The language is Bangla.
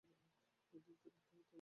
দেখতে দেখতে তাকে ঘিরে ভিড় জমে গেল।